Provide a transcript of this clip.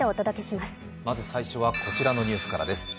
まず最初はこちらのニュースからです。